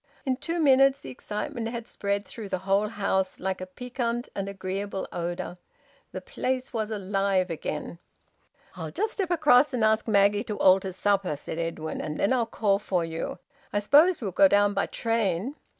In two minutes the excitement had spread through the whole house, like a piquant and agreeable odour. The place was alive again. "I'll just step across and ask Maggie to alter supper," said Edwin, "and then I'll call for you. I suppose we'll go down by train."